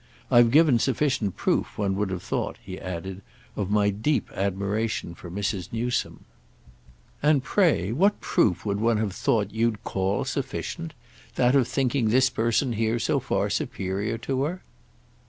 I've given sufficient proof, one would have thought," he added, "of my deep admiration for Mrs. Newsome." "And pray what proof would one have thought you'd call sufficient? That of thinking this person here so far superior to her?"